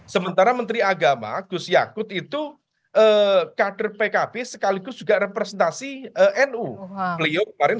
sementara menteri agama gus yakut itu kader pkb sekaligus juga representasi nu beliau kemarin